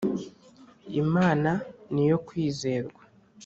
imana niyo kwizerwa.